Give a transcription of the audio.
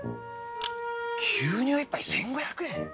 牛乳１杯１５００円？